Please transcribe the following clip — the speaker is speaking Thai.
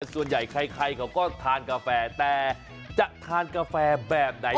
ส่วนใหญ่ใครเขาก็ทานกาแฟแต่จะทานกาแฟแบบไหน